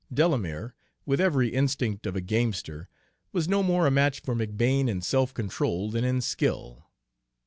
Delamere, with every instinct of a gamester, was no more a match for McBane in self control than in skill.